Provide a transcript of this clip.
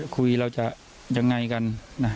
คุยเราจะยังไงกัน